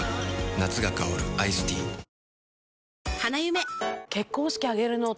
夏が香るアイスティー・あっ！！